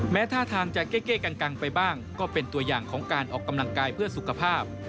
ท่าทางจะเก้กังไปบ้างก็เป็นตัวอย่างของการออกกำลังกายเพื่อสุขภาพ